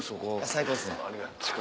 最高ですね。